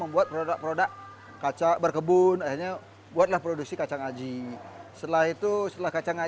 membuat produk produk kaca berkebun akhirnya buatlah produksi kacang aji setelah itu setelah kacang